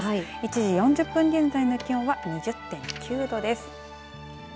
１時４０分現在の気温は２０．９度です。